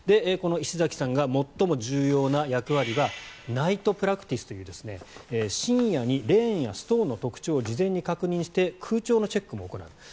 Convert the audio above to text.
この石崎さんが最も重要な役割はナイトプラクティスという深夜にレーンやストーンの特徴を事前に確認して空調のチェックも行う。